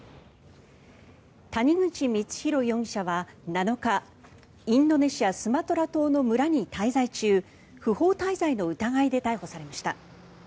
谷口光弘容疑者は７日インドネシア・スマトラ島の村に滞在中不法滞在の疑いで逮捕されました。